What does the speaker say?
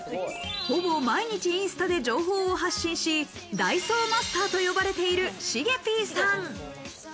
ほぼ毎日インスタで情報を発信し、ダイソーマスターと呼ばれている、しげぴぃさん。